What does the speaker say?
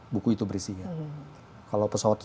buku itu berisinya kalau pesawat itu